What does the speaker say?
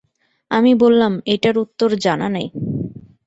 আমি বললাম, এইটার উত্তর জানা নাই।